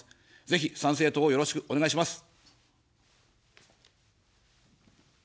ぜひ参政党をよろしくお願いします。